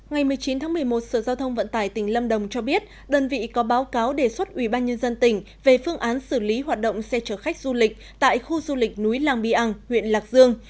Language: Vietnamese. ngày một mươi chín tháng một mươi một sở giao thông vận tải tỉnh lâm đồng cho biết đơn vị có báo cáo đề xuất ubnd tỉnh về phương án xử lý hoạt động xe chở khách du lịch tại khu du lịch núi làng bi ang huyện lạc dương